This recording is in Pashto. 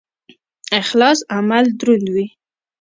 اخلاص عمل دروندوي